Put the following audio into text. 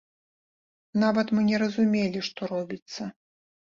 Нават мы не разумелі, што робіцца.